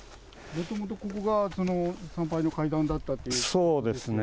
もともと、ここが参拝の階段だったということですよね。